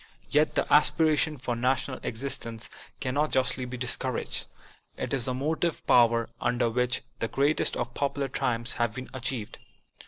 Yet the aspiration for national exist ence cannot justly be discouraged. It is the motive power under which the greatest of popular triumphs have been achieved.